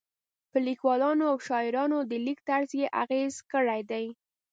په لیکوالو او شاعرانو د لیک طرز یې اغېز کړی دی.